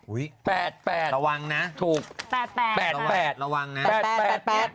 อุ๊ยระวังนะถูกแปดระวังนะแปด